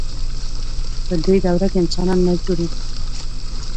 په دې دوره کې انسانان مجبور وو.